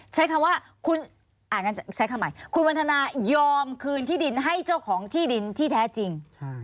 ใช้คำว่าคุณใช้คำใหม่คุณวันทนายอมคืนที่ดินให้เจ้าของที่ดินที่แท้จริง